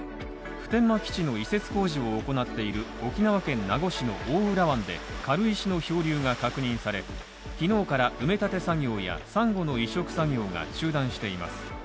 普天間基地の移設工事を行っている沖縄県名護市の大浦湾で軽石の漂流が確認され、昨日から埋め立て作業やサンゴの移植作業が中断しています。